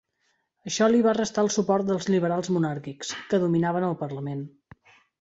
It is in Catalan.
Això li va restar el suport dels liberals monàrquics, que dominaven el parlament.